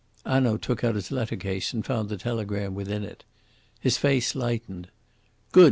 Hanaud took out his letter case and found the telegram within it. His face lightened. "Good!"